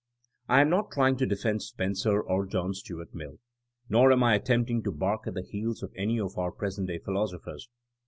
I am not trying to defend Spencer or John Stuart Mill, nor am I attempting to bark at the heels of any of our present day philosophers.